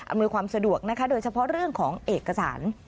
ความสะดวกนะคะโดยเฉพาะเรื่องของเอกสาร